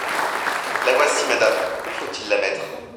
La voici, madame ; où faut-il la mettre ?